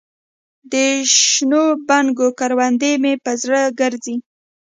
دشنو بنګو کروندې مې په زړه ګرځي